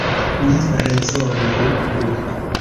Ni rezonu plu.